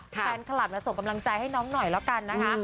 แฟนคลับส่งกำลังใจให้น้องหน่อยแล้วกันนะคะ